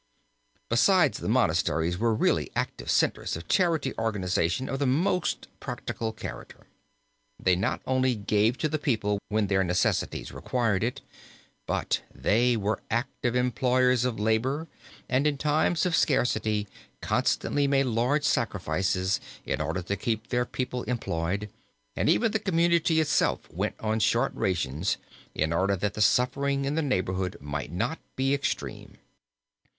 Besides the monasteries were really active centers of charity organization of the most practical character. They not only gave to the people when their necessities required it, but they were active employers of labor and in times of scarcity constantly made large sacrifices in order to keep their people employed, and even the community itself went on short rations in order that the suffering in the neighborhood might not be extreme.